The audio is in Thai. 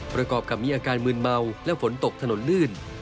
ประกอบกับมีอาการมืนเมาและฝนตกถนนลื่น